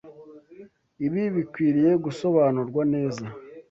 Ibi bikwiriye gusobanurwa neza